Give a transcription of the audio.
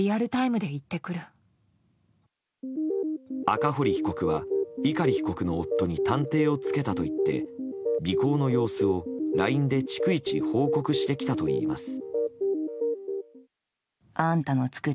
赤堀被告は、碇被告の夫に探偵をつけたと言って尾行の様子をＬＩＮＥで逐一報告してきたといいます。